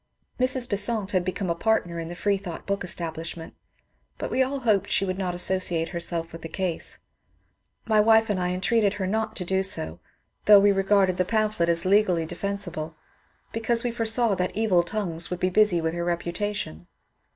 Mrs. Besant had become a partner in the Freethought Book Establishment, but we all hoped she would 288 MONCURE DANIEL CONWAY not assooiate herself with the case. My wife and I entreated her not to do so, though we regarded the pamphlet as legally defensible, because we foresaw that evil tongues would be busy with her reputation.